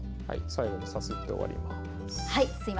最後にさすって終わります。